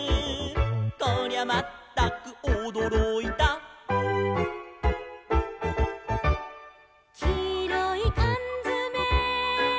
「こりゃまったくおどろいた」「きいろいかんづめ」